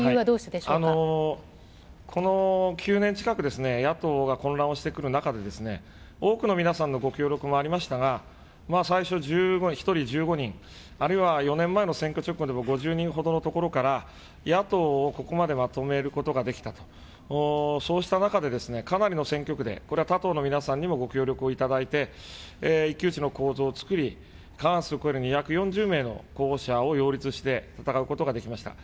この９年近く、野党が混乱をしてくる中でですね、多くの皆さんのご協力もありましたが、最初、１人１５人、あるいは、４年前の選挙直後でも、５０人ほどのところから、野党をここまでまとめることができたと、そうした中でですね、かなりの選挙区で、これは他党の皆さんにもご協力をいただいて、一騎打ちの構造を作り、過半数を超える２４０名の候補者を擁立して、戦うことができました。